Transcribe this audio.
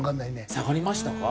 下がりましたか？